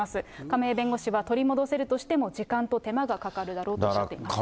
亀井弁護士は、取り戻せるとしても時間と手間がかかるだろうとおっしゃっています。